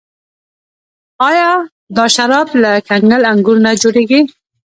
آیا دا شراب له کنګل انګورو نه جوړیږي؟